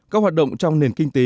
các hoạt động trong nền kinh tế